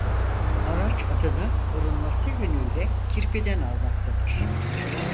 Araç adını korunması yönüyle kirpiden almaktadır.